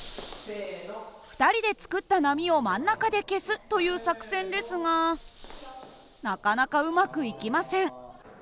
２人で作った波を真ん中で消すという作戦ですがなかなかうまくいきません。